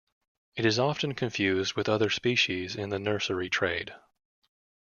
It is often confused with other species in the nursery trade.